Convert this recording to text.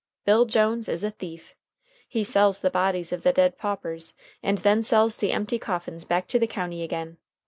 Bill Jones is a thief! He sells the bodies of the dead paupers, and then sells the empty coffins back to the county agin.